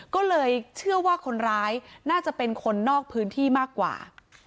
ก็เลยเชื่อว่าคนร้ายน่าจะเป็นคนนอกพื้นที่มากกว่า